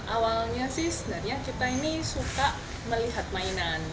awalnya sih sebenarnya kita ini suka melihat mainan